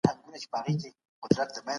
زما په ذهن كي تصوير جوړ كړي